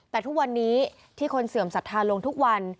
แต่ทุกวันนี้ที่คนเสื่อมศรัทธาลงทุกวัน